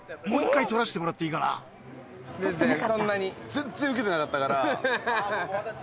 全然ウケてなかったから。